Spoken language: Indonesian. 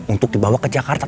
untuk dibawa ke jakarta